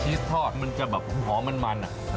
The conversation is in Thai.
ชีสทอดมันจะหอมมันน่ะ